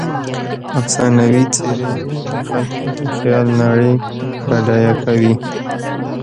افسانوي څیرې د خلکو د خیال نړۍ بډایه کوي.